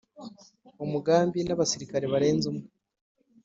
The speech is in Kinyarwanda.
umugambi nabasirikare barenze umwe